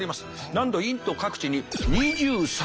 なんとインド各地に２３。